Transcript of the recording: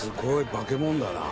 化け物だな。